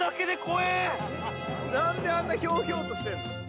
何であんなひょうひょうとしてんの？